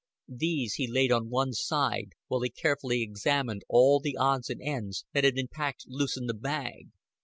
These he laid on one side, while he carefully examined all the odds and ends that had been packed loose in the bag.